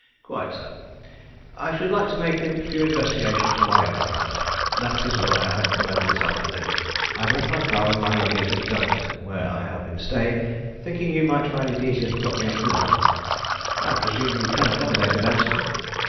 "Quite so. I should like to make a few investigations on my own account. That is why I have come over this afternoon. I have left my car and my luggage at Durrington, where I have been staying, thinking you might find it easier to put me up without them. I presume you can accommodate me, Benson?"